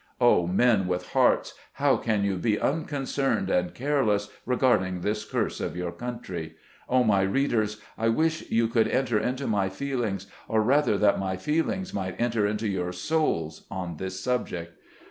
Oh, men with hearts, how can you be unconcerned and careless regarding this curse of your country ? Oh, my readers, I wish you could enter into my feelings, or rather, that my feel ings might enter into your souls, on this subject!